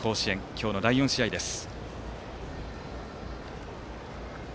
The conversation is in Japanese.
今日の第４試合です。